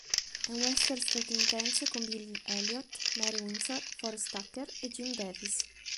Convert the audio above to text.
È un western statunitense con Bill Elliott, Marie Windsor, Forrest Tucker e Jim Davis.